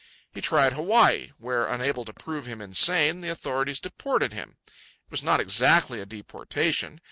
He tried Hawaii, where, unable to prove him insane, the authorities deported him. It was not exactly a deportation.